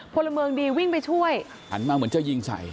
พลเมืองดีวิ่งไปช่วยหันมาเหมือนจะยิงใส่